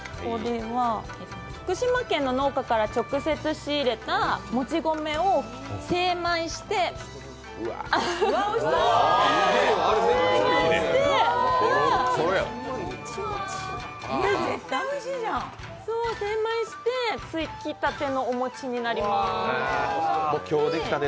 福島県の農家から直接仕入れた餅米を精米して、つきたてのお餅になります。